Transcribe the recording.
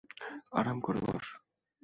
আরাম করে বস।